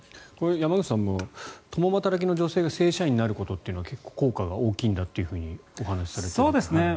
山口さんも共働きの女性が正社員になることは結構、効果が大きいんだってお話しされていましたね。